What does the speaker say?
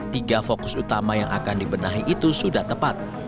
tiga fokus utama yang akan dibenahi itu sudah tepat